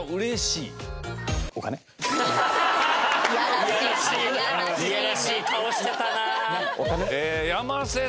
いやらしい顔してたな。